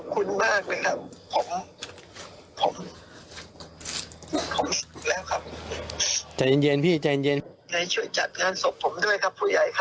ก็ยังดีครับ